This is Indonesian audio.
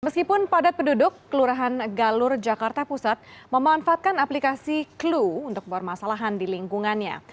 meskipun padat penduduk kelurahan galur jakarta pusat memanfaatkan aplikasi clue untuk bermasalahan di lingkungannya